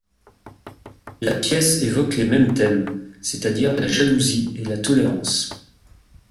La pièce évoque les mêmes thèmes, c'est-à-dire la jalousie et la tolérance.